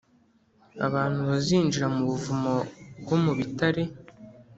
Abantu bazinjira mu buvumo bwo mu bitare